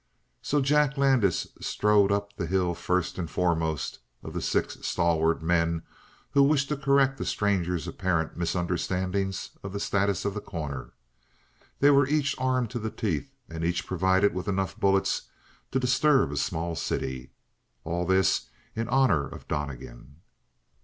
So Jack Landis strode up the hill first and foremost of the six stalwart men who wished to correct the stranger's apparent misunderstandings of the status of The Corner. They were each armed to the teeth and each provided with enough bullets to disturb a small city. All this in honor of Donnegan.